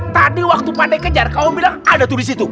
tadi waktu pak deh kejar kamu bilang ada tuh disitu